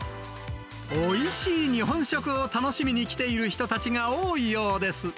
おいしい日本食を楽しみに来ている人たちが多いようです。